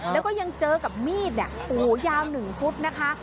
แล้วก็ยังเจอกับมีดโอ้ยาว๑ฟุตนะคะ